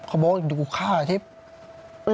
เขาบอกว่าอย่างนี้กูฆ่าอาทิตย์